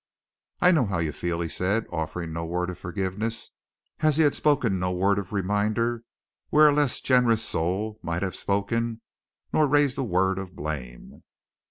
"I know how you feel," he said, offering no word of forgiveness, as he had spoken no word of reminder where a less generous soul might have spoken, nor raised a word of blame.